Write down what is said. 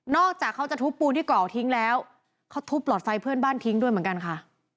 จากเขาจะทุบปูนที่เกาะทิ้งแล้วเขาทุบหลอดไฟเพื่อนบ้านทิ้งด้วยเหมือนกันค่ะ